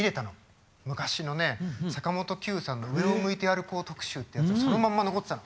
昔の坂本九さんの上を向いて歩こう特集ってやつがそのまま残ってたの。